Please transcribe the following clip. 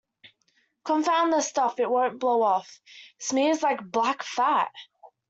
Confound the stuff, it won't blow off — smears like black fat!